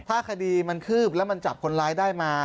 ถ้าคดีมันคืบแล้วมันจับคนร้ายได้มา